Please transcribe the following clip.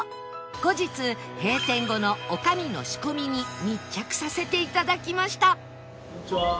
後日閉店後の女将の仕込みに密着させて頂きました